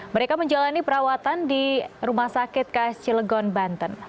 mereka menjalani perawatan di rumah sakit ksc legon banten